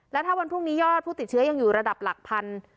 และถ้าวันพรุ่งนี้ยอดผู้ติดเชื้อยังอยู่ระดับหลักพัน